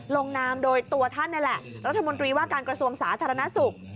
ลงนามโดยตัวท่านนี่แหละรัฐมนตรีว่าการกระทรวงสาธารณสุข